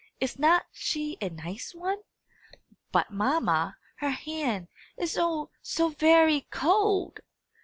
Is not she a nice one? But, mamma, her hand, is oh, so very cold!"